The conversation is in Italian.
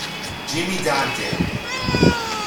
Jimmy Dugdale